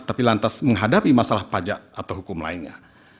tapi lantas menghadapi masalah pajak atau hukum lainnya